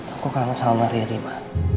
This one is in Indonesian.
aku kan sama riri ma